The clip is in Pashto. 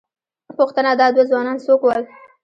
پوښتنه، دا دوه ځوانان څوک ول؟